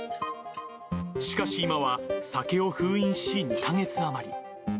しかし今は、酒を封印し２か月余り。